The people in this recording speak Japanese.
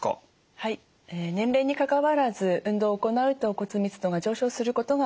はい年齢にかかわらず運動を行うと骨密度が上昇することが分かっています。